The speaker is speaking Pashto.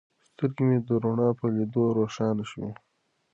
سترګې مې د رڼا په لیدلو روښانه شوې.